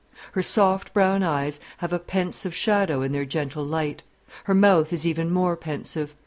Her soft brown eyes have a pensive shadow in their gentle light; her mouth is even more pensive.